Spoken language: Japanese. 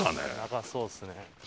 やばそうですね。